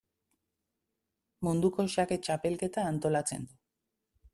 Munduko xake Txapelketa antolatzen du.